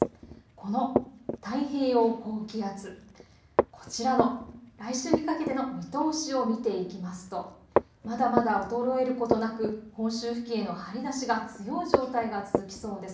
この太平洋高気圧、こちらの来週にかけての見通しを見ていきますとまだまだ衰えることなく本州付近への張り出しが強い状態が続きそうです。